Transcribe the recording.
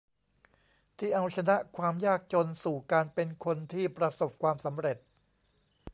ที่เอาชนะความยากจนสู่การเป็นคนที่ประสบความสำเร็จ